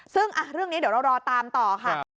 ซึ่งเรื่องนี้เดี๋ยวเรารอตามต่อค่ะ